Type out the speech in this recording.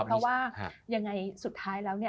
เพราะว่ายังไงสุดท้ายแล้วเนี่ย